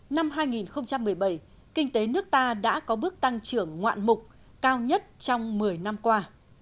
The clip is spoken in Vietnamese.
năm hai nghìn một mươi bảy kinh tế nước ta đã có bước tăng trưởng ngoạn mục cao nhất trong một mươi năm qua